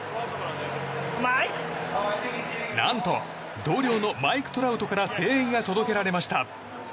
何と同僚のマイク・トラウトから声援が届けられました。